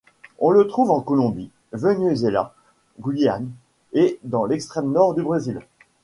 On le trouve en Colombie, Venezuela, Guyane et dans l'extrême nord du Brésil.